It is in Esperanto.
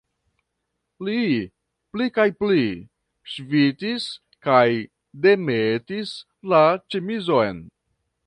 Li pli kaj pli ŝvitis kaj demetis la ĉemizon.